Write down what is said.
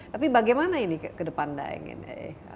tapi bagaimana ini ke depan daeng ini